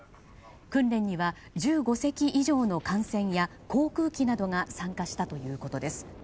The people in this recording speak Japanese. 訓練には１５隻以上の艦船や航空機などが参加したということです。